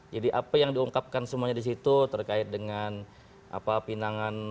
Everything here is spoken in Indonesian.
jadi apa yang diungkapkan semuanya di situ terkait dengan apa pinangan